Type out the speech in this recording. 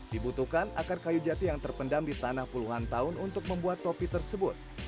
dibutuhkan akar kayu jati yang terpendam di tanah puluhan tahun untuk membuat topi tersebut